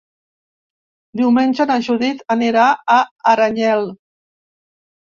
Diumenge na Judit anirà a Aranyel.